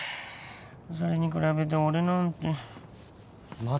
それに比べて俺なんて松。